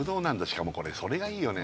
しかもこれそれがいいよね